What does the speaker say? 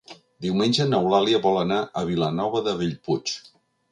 Diumenge n'Eulàlia vol anar a Vilanova de Bellpuig.